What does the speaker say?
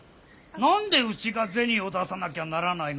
何でうちが銭を出さなきゃならないのでしょう？